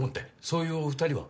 そういうお二人は？